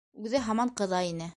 Үҙе һаман ҡыҙа ине.